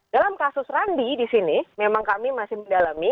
dalam kasus randi di sini memang kami masih mendalami